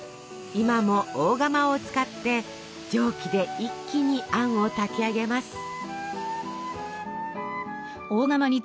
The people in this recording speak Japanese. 今も大釜を使って蒸気で一気にあんを炊きあげます。